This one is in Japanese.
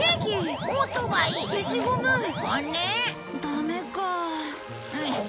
ダメか。